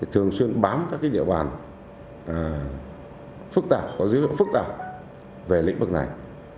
thường xuyên bám các địa bàn phức tạp có dấu hiệu phức tạp về lĩnh vực này